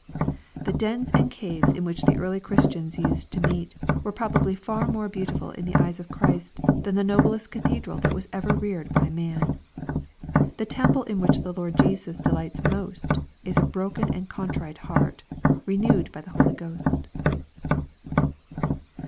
The dens and caves in which the early Christians used to meet, were probably far more beauti ful in the eyes of Christ than the noblest cathedral that was ever reared by man. The temple in which the Lord Jesus delights most, is a broken and contrite heart, re newed by the Holy Ghost.